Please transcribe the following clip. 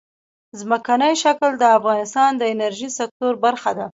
ځمکنی شکل د افغانستان د انرژۍ سکتور برخه ده.